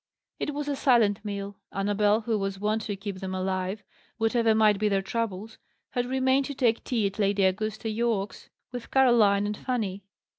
It was a silent meal. Annabel, who was wont to keep them alive, whatever might be their troubles, had remained to take tea at Lady Augusta Yorke's, with Caroline and Fanny.